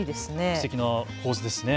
すてきな構図ですね。